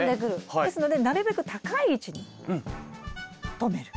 ですのでなるべく高い位置に留める。